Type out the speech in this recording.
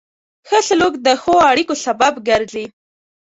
ښه سلوک د ښو اړیکو سبب ګرځي.